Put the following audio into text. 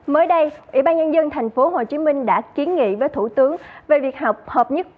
mới đây ủy ban nhân dân thành phố hồ chí minh đã kiến nghị với thủ tướng về việc hợp hợp nhất